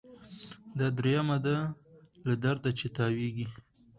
دا دریمه ده له درده چي تاویږي